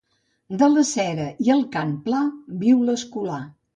De la cera i el cant pla viu l'escolà.